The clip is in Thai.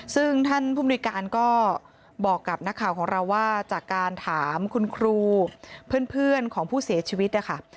ซึ่งท่านผู้มนุยการก็บอกกับนักข่าวของเราว่าจากการถามคุณครูเพื่อนของผู้เสียชีวิตนะคะ